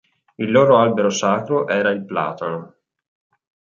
Il loro albero sacro era il platano.